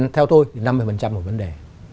theo tôi năm mươi là một vấn đề